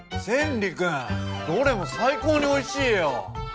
千利くんどれも最高においしいよ！